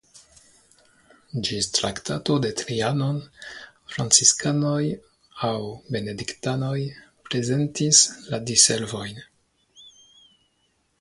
Ĝis Traktato de Trianon franciskanoj aŭ benediktanoj prezentis la diservojn.